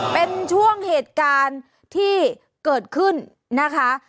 เป็นช่วงเหตุการณ์ที่เกิดขึ้นนะคะ